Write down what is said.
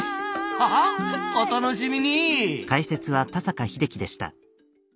ははっお楽しみに！